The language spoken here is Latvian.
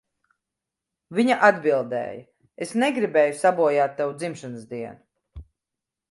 Viņa atbildēja, "Es negribēju sabojāt tavu dzimšanas dienu."